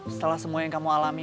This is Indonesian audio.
setelah semua yang kamu alami